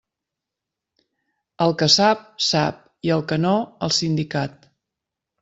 El que sap, sap, i el que no, al sindicat.